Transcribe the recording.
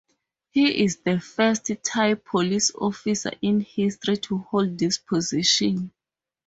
He is the first Thai police officer in history to hold this position.